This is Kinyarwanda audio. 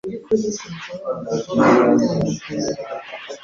maze barabwirana bati: "Yewe ntiwibuka ukuntu imitima yacu yari ikcye,